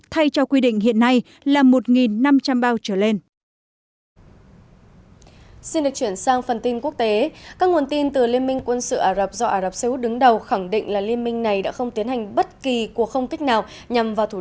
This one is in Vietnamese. thay cho quy định hiện nay là một năm trăm linh bao trở lên